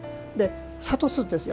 諭すんですよ。